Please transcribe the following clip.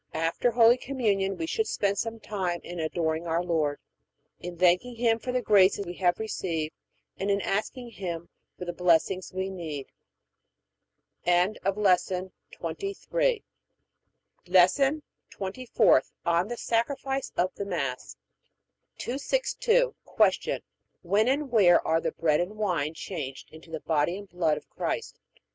After Holy Communion we should spend some time in adoring our Lord, in thanking Him for the grace we have received, and in asking Him for the blessings we need. LESSON TWENTY FOURTH ON THE SACRIFICE OF THE MASS 262. Q. When and where are the bread and wine changed into the body and blood of Christ?